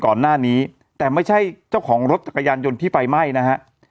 ก่อนหน้านี้แต่ไม่ใช่เจ้าของรถจักรยานยนต์ที่ไฟไหม้นะฮะ